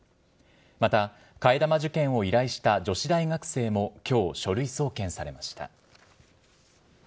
また替え玉受験を依頼した女子大学生もきょう、書類送検されました。